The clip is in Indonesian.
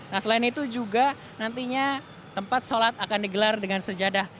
nah selain itu juga nantinya tempat sholat akan digelar dengan sejadah